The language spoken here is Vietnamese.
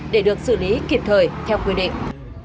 để được xử lý kịp thời theo quy định